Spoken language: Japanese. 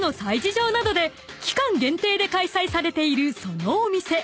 場などで期間限定で開催されているそのお店。